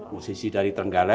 musisi dari tenggalek